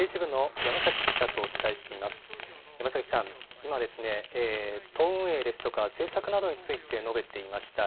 山崎さん、今、党運営ですとか、政策などについて述べていました。